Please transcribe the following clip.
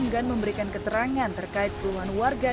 yang menggunakan keterangan terkait keluhan warga